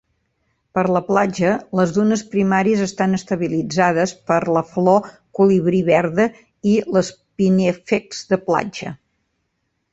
Per la platja, les dunes primàries estan estabilitzades per la flor colibrí verda i l'spinifex de platja.